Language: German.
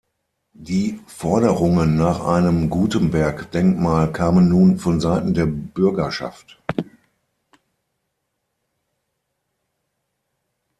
Die Forderungen nach einem Gutenberg-Denkmal kamen nun von Seiten der Bürgerschaft.